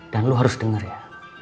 dan lo harus denger ya